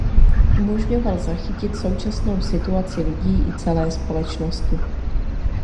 Umožňoval zachytit současnou situaci lidí i celé společnosti.